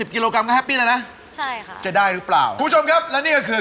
ขอให้ตักได้เยอะเลยนะครับคุณเนย